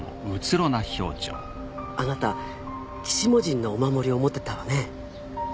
あなた鬼子母神のお守りを持ってたわね